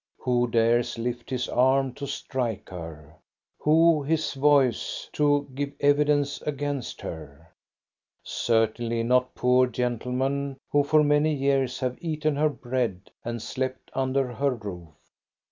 Who dares lift his arm to strike her; who his voice to give evidence against her ? Certainly not poor gentlemen who for many years have eaten her bread and slept under her roof.